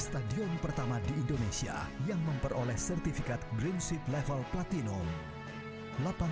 malam malam ku makan malam seribu bintang